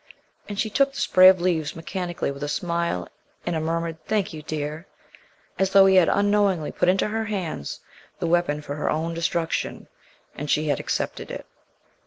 And she took the spray of leaves mechanically with a smile and a murmured "thank you, dear," as though he had unknowingly put into her hands the weapon for her own destruction and she had accepted it.